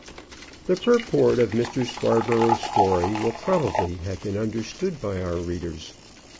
The purport of Mr. Scarborough's story will probably have been understood by our readers.